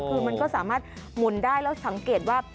คือมันก็สามารถหมุนได้แล้วสังเกตว่า